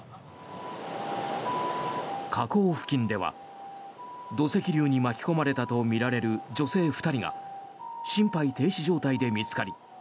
河口付近では土石流に巻き込まれたとみられる女性２人が心肺停止状態で見つかり